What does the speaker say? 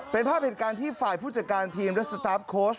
เป็นภาพเหตุการณ์ที่ฝ่ายผู้จัดการทีมและสตาร์ฟโค้ช